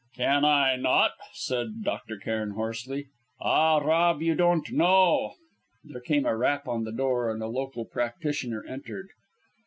"Can I not?" said Dr. Cairn hoarsely. "Ah, Rob, you don't know!" There came a rap on the door, and a local practitioner entered.